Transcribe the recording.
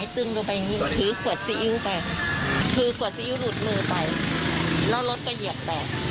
ถือสวดซิอิ้วหลุดมือไปแล้วรถกระเหยียบไป